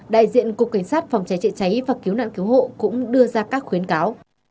đại diện cục cảnh sát phòng cháy chữa cháy và cứu nạn cứu hộ cũng đưa ra các khuyến cáo